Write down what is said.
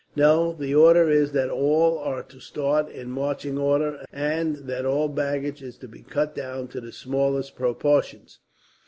"No; the order is that all are to start in marching order, and that all baggage is to be cut down to the smallest proportions.